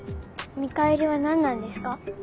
見返りは何なんですか？